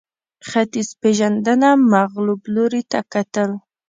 ختیځپېژندنه مغلوب لوري ته کتل